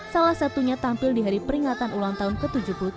salah satunya tampil di hari peringatan ulang tahun ke tujuh puluh tujuh